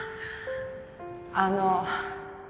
あの